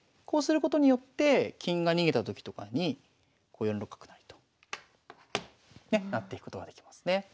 こうすることによって金が逃げたときとかにこう４六角成とねっなっていくことができますね。